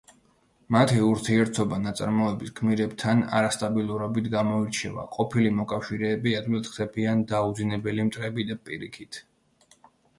მათი ურთიერთობა ნაწარმოების გმირებთან არასტაბილურობით გამოირჩევა, ყოფილი მოკავშირეები ადვილად ხდებიან დაუძინებელი მტრები, და პირიქით.